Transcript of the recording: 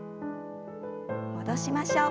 戻しましょう。